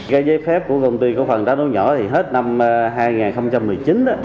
cái giấy phép của công ty cổ phần đá nhỏ thì hết năm hai nghìn một mươi chín đó